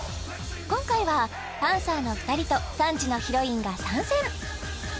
今回はパンサーの２人と３時のヒロインが参戦！